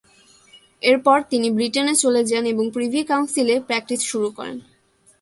এরপর তিনি ব্রিটেনে চলে যান এবং প্রিভি কাউন্সিলে প্র্যাকটিস শুরু করেন।